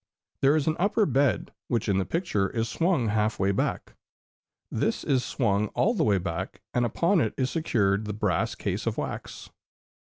There is an upper bed, which in the picture is swung half way back. This is swung all the way back, and upon it is secured the brass case of wax.